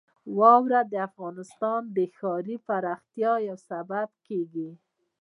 واوره د افغانستان د ښاري پراختیا یو سبب کېږي.